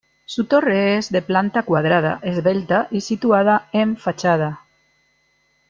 Su torre es de planta cuadrada, esbelta y situada en fachada.